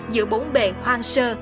giữa bốn bề hoang sơ